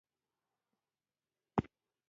دښتې د هیوادوالو لپاره لوی ویاړ دی.